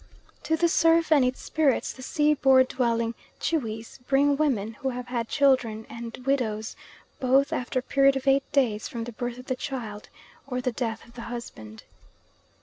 To the surf and its spirits the sea board dwelling Tschwis bring women who have had children and widows, both after a period of eight days from the birth of the child, or the death of the husband.